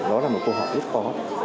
đó là một câu hỏi rất khó